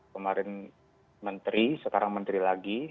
kemarin menteri sekarang menteri lagi